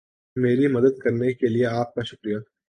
میری مدد کرنے کے لئے آپ کا شکریہ